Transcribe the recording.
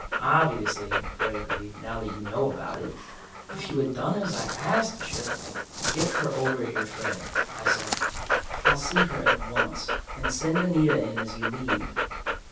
"Obviously," Fred agreed. "Now that you know about it. If you had done as I asked, Gyp ..." "Get her over here, Fred," I said. "I'll see her at once. And send Anita in as you leave."